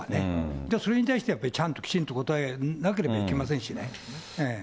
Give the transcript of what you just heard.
じゃあ、それに対してはやっぱりちゃんと答えなければいけません